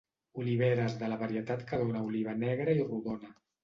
Oliveres de la varietat que dóna oliva negra i rodona.